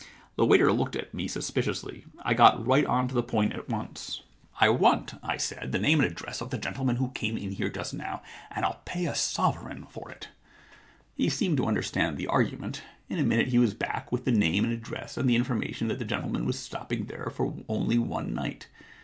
The waiter looked at me suspiciously. I got right on to the point at once. I want," I said, the name and address I 10 The Identity Problem of the gentleman who came in here just now, and ril pay a sovereign for it. * He seemed to understand the argument. In a minute he was back with the name and address and the information that the gentle man was stopping there for only one night.